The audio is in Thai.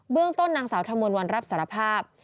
เบื้องต้นนางสาวถมวลวันรับสารภาพ